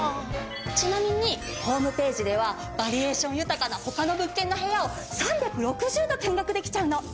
ちなみにホームページではバリエーション豊かな他の物件の部屋を３６０度見学できちゃうの！